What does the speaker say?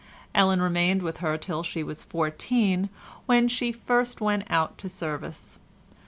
Ellen remained with her till she was fourteen, when she first went out to service.